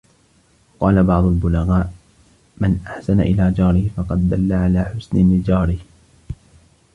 وَقَالَ بَعْضُ الْبُلَغَاءِ مَنْ أَحْسَنَ إلَى جَارِهِ فَقَدْ دَلَّ عَلَى حُسْنِ نِجَارِهِ